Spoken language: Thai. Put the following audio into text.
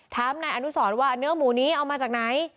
ถามนายอนุสรว่าเนื้อหมูนี้เอามาจากไหน